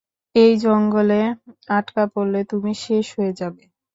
এই জঙ্গলে আটকা পরলে তুমি শেষ হয়ে যাবে।